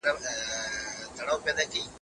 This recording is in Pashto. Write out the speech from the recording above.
آیا تبه تر زکام سخته ده؟